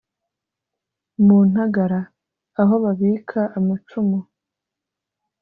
mu ntagara: aho babika amacumu